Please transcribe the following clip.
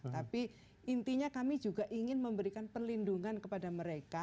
tapi intinya kami juga ingin memberikan perlindungan kepada mereka